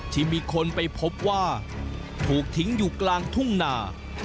ที่มีคนไปพบว่าถูกทิ้งอยู่กลางทุ่งนา